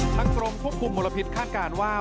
ทั้งตรงทุกคุมมลพิษคาดการณ์ว่า